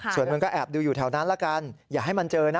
ส่วนมึงก็แอบดูอยู่แถวนั้นละกันอย่าให้มันเจอนะ